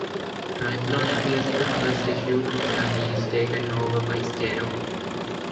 Triathlon appears in the first issue where he is taken over by Starro.